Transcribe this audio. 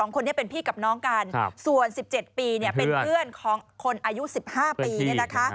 ๒คนนี้เป็นพี่กับน้องกันส่วน๑๗ปีเป็นเพื่อนของคนอายุ๑๕ปีเนี่ยนะคะ